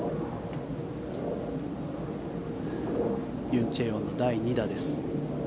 ユン・チェヨンの第２打です。